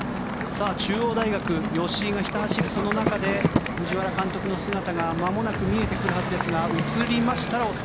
中央大学、吉居がひた走る、その中で藤原監督の姿がまもなく見えてくるはずです。